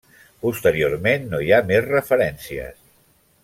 Posteriorment no hi ha més referències.